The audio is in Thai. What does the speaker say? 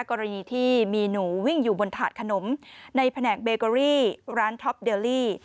กรณีที่มีหนูวิ่งอยู่บนถาดขนมในแผนกเบเกอรี่ร้านท็อปเดลลี่